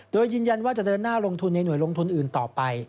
โดยยืนยันว่าจะเดินหน้าลงทุนในหน่วยลงทุนอื่นต่อไป